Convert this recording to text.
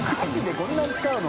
こんなに使うの？